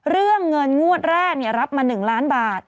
เรื่องเงินงวดแรกเนี่ยรับมาหนึ่งล้านบาท